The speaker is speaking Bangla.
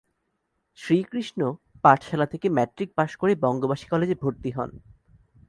শ্রীকৃষ্ণ পাঠশালা থেকে ম্যাট্রিক পাশ করে বঙ্গবাসী কলেজে ভরতি হন।